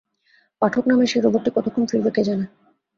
পাঠক নামের এই রোবটটি কতক্ষণে ফিরবে কে জানে।